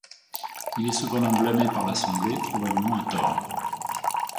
Il est cependant blâmé par l'Assemblée, probablement à tort.